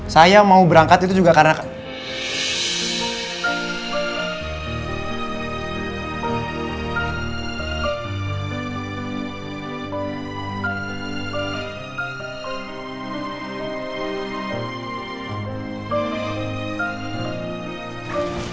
saya mau berangkat itu juga karena kan